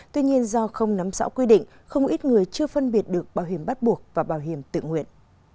tuy nhiên do không nắm rõ quy định không ít người chưa phân biệt được bảo hiểm bắt buộc và bảo hiểm tự nguyện